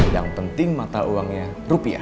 yang penting mata uangnya rupiah